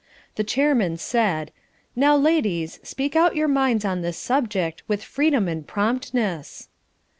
The chairman said: "Now, ladies, speak out your minds on this subject with freedom and promptness."